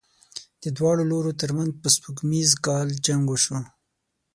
د دواړو لورو تر منځ په سپوږمیز کال جنګ وشو.